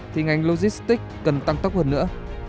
thì ngành logistics cần tăng tốc hơn nữa